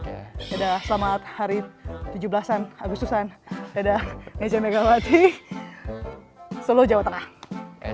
sudah selamat hari tujuh belas an agustusan ada neza megawati solo jawa tengah